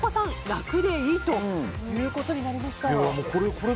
楽でいいということになりました。